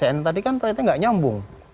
info cnn tadi kan ternyata nggak nyambung